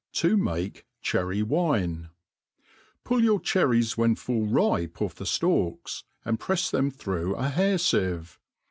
To make Cherry^Wim* PULL your cherries when full ripe off the ftalks, and prefs them through a hair fieve.